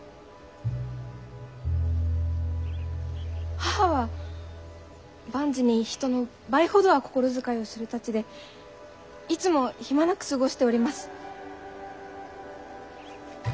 母は万事に人の倍ほどは心遣いをするたちでいつも暇なく過ごしております。